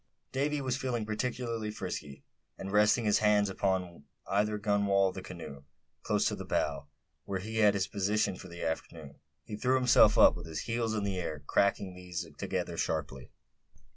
Davy was feeling particularly frisky; and resting his hands, one upon either gunwale of the canoe, close to the bow, where he had his position for the afternoon, he threw himself up, with his heels in the air, cracking these together sharply.